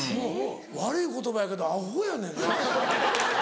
悪い言葉やけどアホやねんな。